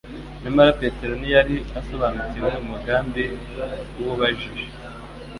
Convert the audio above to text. Nyamara Petero ntiyari asobanukiwe umugambi w'ubajije.